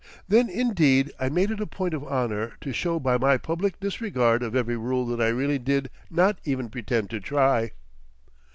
Then indeed I made it a point of honour to show by my public disregard of every rule that I really did not even pretend to try.